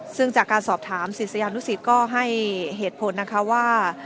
ซึ่งจากการสอบถามศิษยานุสิตก็ให้เหตุผลนะคะว่า